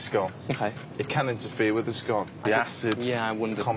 はい。